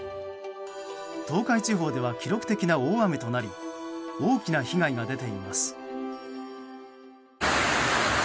東海地方では記録的な大雨となり大きな被害が出ています。